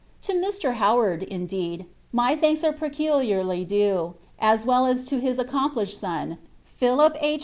To Mr. Howard, indeed, my ttmnka ore pecu liarly due, as well as lo his sccomplished son, Philip H.